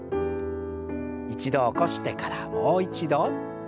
一度起こしてからもう一度。